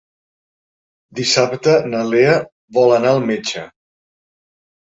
Dissabte na Lea vol anar al metge.